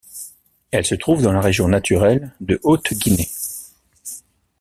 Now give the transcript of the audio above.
Elle se trouve dans la région naturelle de Haute-Guinée.